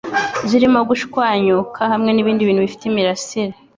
zirimo gushwanyuka hamwe n'ibindi bintu bifite imirasire